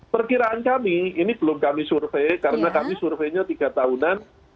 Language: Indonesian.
perkiraan kami ini belum kami survei karena kami surveinya tiga tahunan